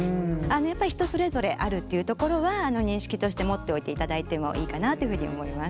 やっぱり人それぞれあるっていうところは認識として持っておいていただいてもいいかなっていうふうに思います。